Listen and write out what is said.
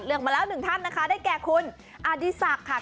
เลือกมาแล้ว๑ท่านนะคะได้แก่คุณอดีศักดิ์ค่ะ